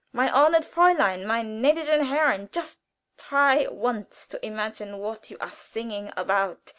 My honored Fräulein, my gnädigen Herren, just try once to imagine what you are singing about!